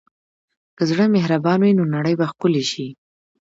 که زړه مهربان وي، نو نړۍ به ښکلې شي.